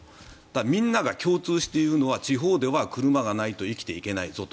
みんなが共通して言うのは地方では車がないと生きていけないぞと。